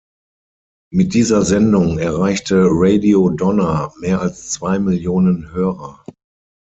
Mit dieser Sendung erreichte Radio Donna mehr als zwei Millionen Hörer.